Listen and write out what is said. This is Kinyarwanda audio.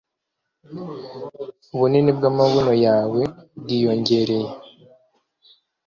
ubunini bw'amabuno yawe bwiyongereye